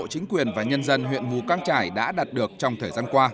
chính quyền và nhân dân huyện mù căng trải đã đạt được trong thời gian qua